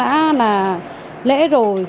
đã là lễ rồi